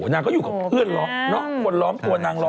นางก็อยู่กับเพื่อนร้องเนาะคนร้องกว่านาง๑๐๘